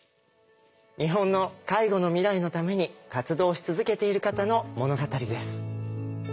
日本の介護の未来のために活動し続けている方の物語です。